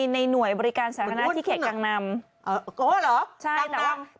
ในหน่วยบริการสาธารณะที่เขตกลางนำโอ้เหรอใช่แต่ว่า